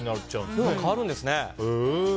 色が変わるんですね。